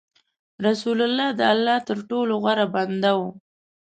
رسول الله د الله تر ټولو غوره بنده و.